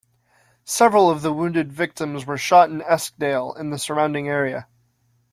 Several of the wounded victims were shot in Eskdale and the surrounding area.